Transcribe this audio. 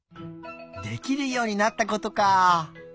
できるようになったことか。